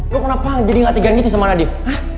lo kenapa jadi ngak tigaan gitu sama nadif